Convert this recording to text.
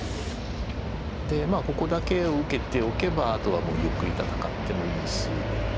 でここだけを受けておけばあとはもうゆっくり戦ってもいいし。